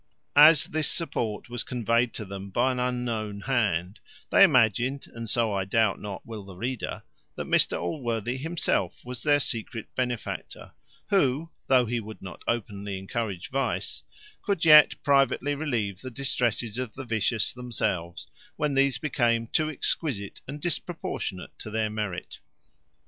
As this support was conveyed to them by an unknown hand, they imagined, and so, I doubt not, will the reader, that Mr Allworthy himself was their secret benefactor; who, though he would not openly encourage vice, could yet privately relieve the distresses of the vicious themselves, when these became too exquisite and disproportionate to their demerit.